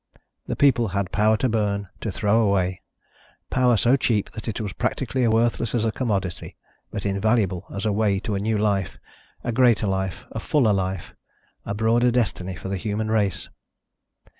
The people had power to burn, to throw away, power so cheap that it was practically worthless as a commodity, but invaluable as a way to a new life, a greater life, a fuller life ... a broader destiny for the human race.